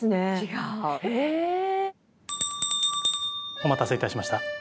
お待たせいたしました。